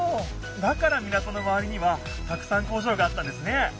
だから港のまわりにはたくさん工場があったんですね！